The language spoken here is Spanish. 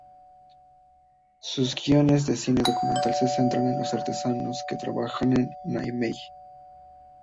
Sus guiones de cine documental, se centran en los artesanos que trabajan en Niamey.